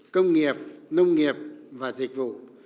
công nghiệp nông nghiệp và dịch vụ